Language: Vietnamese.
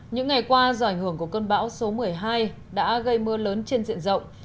những ngày qua do ảnh hưởng của cơn bão số một mươi hai đã gây mưa lớn trên diện rộng